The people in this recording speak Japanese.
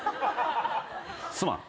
すまん。